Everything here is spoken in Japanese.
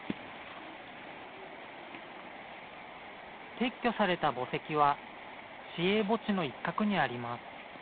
撤去された墓石は市営墓地の一角にあります。